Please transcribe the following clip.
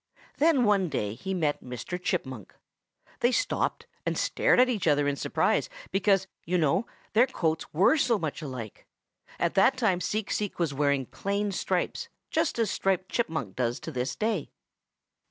Then one day he met Mr. Chipmunk. They stopped and stared at each other in surprise because, you know, their coats were so much alike. At that time Seek Seek was wearing plain stripes, just as Striped Chipmunk does to this day.